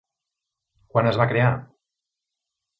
Quan es va crear?